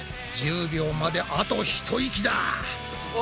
１０秒まであと一息だ！